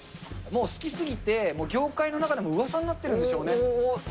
もう好きすぎて、業界の中でもうわさになってるんでしょうね。